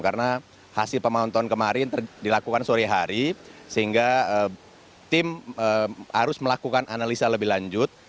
karena hasil pemonton kemarin dilakukan sore hari sehingga tim harus melakukan analisa lebih lanjut